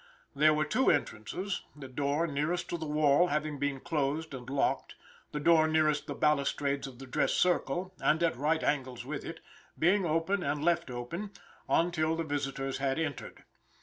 There were two entrances the door nearest to the wall having been closed and locked; the door nearest the balustrades of the dress circle, and at right angles with it, being open and left open, after the visitors had entered.